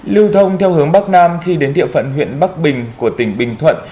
lưu thông theo hướng bắc nam khi đến địa phận huyện bắc bình của tỉnh bình thuận